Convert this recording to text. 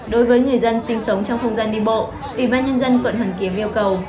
đối với người dân sinh sống trong không gian đi bộ ủy ban nhân dân quận hoàn kiếm yêu cầu